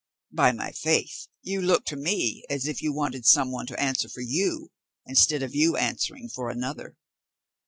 By my faith, you look to me as if you wanted some one to answer for you instead of your answering for another."